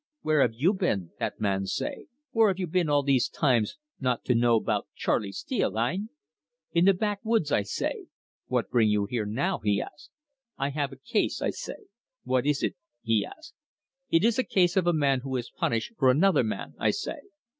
"'Where have you been,' that man say 'where have you been all these times not to know 'bout Charley Steele, hein?' 'In the backwoods,' I say. 'What bring you here now?' he ask. 'I have a case,' I say. 'What is it?' he ask. 'It is a case of a man who is punish for another man,' I say.